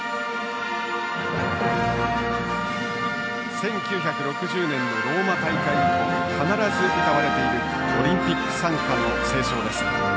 １９６０年のローマ大会以降必ず歌われているオリンピック賛歌の斉唱です。